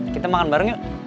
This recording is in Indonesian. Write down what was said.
kita makan bareng yuk